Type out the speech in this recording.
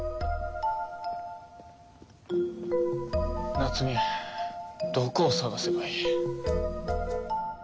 夏美どこを探せばいい。